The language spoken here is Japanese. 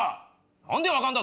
何で分かるんだ？